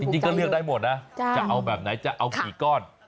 จริงก็เลือกได้หมดนะจะเอาแบบไหนจะเอากี่ก้อน